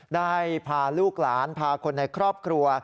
ได้พาลูกหลานพาคนในครอบครัว